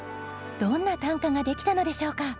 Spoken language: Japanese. どんな短歌ができたのでしょうか？